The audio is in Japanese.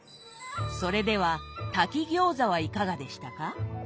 それでは炊き餃子はいかがでしたか？